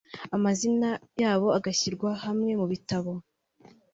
amazina yabo agashyirwa hamwe mu gitabo